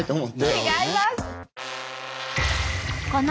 違います。